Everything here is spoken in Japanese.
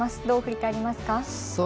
どう振り返りますか？